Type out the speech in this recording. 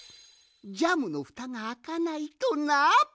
ジャムのふたがあかないとな！